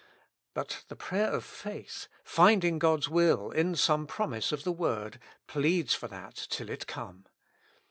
But the prayer of faith, finding God's will in some promise of the Word, pleads for that till it come.